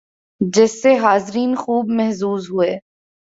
جس سے حاضرین خوب محظوظ ہوئے